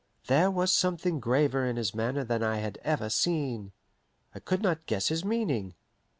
There was something graver in his manner than I had ever seen. I could not guess his meaning.